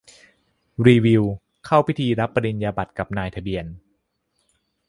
รีวิว เข้าพิธีรับปริญญาบัตรกับนายทะเบียน